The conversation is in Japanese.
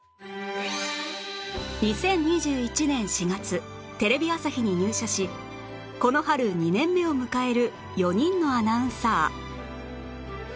２０２１年４月テレビ朝日に入社しこの春２年目を迎える４人のアナウンサー